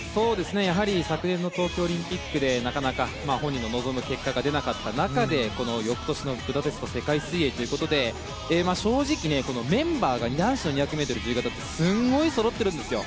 やはり昨年の東京オリンピックでなかなか本人の望む結果が出なかった中で翌年のブダペスト世界水泳ということで正直、メンバーが男子の２００ｍ自由形ってすごいそろっているんですよ。